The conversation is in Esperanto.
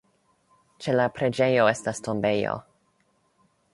Ĉe la preĝejo estas tombejo.